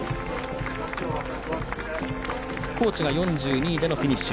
高知が４２位でのフィニッシュ。